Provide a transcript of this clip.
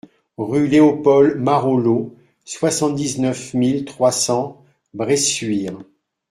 Rue Léopold Marolleau, soixante-dix-neuf mille trois cents Bressuire